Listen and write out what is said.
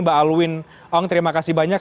mbak alwin ong terima kasih banyak